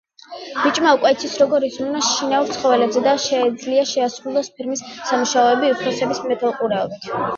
ბიჭმა უკვე იცის როგორ იზრუნოს შინაურ ცხოველებზე და შეუძლია შეასრულოს ფერმის სამუშაოები უფროსების მეთვალყურეობით.